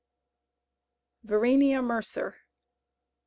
VERENEA MERCER.